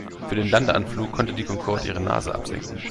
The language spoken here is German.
Für den Landeanflug konnte die Concorde ihre Nase absenken.